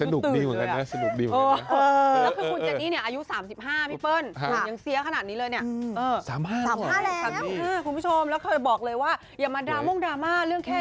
รู้สึกว่าอัดข่าวนี้พี่เปิ้ลตาเว้ามากตาเป็นประกาย